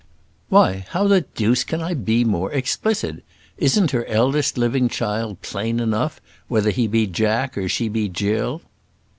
"Why, how the deuce can I be more explicit? Isn't her eldest living child plain enough, whether he be Jack, or she be Gill?"